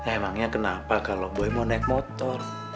emangnya kenapa kalau gue mau naik motor